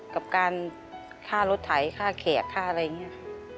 กับการค่ารถไถค่าแขกค่าอะไรอย่างนี้ค่ะ